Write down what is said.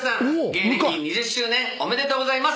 芸歴２０周年おめでとうございます。